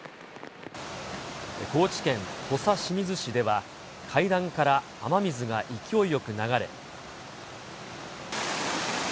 高知県土佐清水市では、階段から雨水が勢いよく流れ。